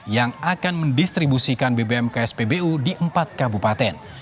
yang akan mendistribusikan bbm ke spbu di empat kabupaten